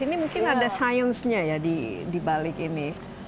ini mungkin ada science nya ya di balik ini